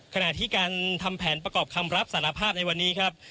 ขณะที่การทำแผนประกอบคำรับสารภาพในวันนี้ครับ